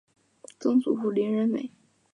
曾祖父林仁美。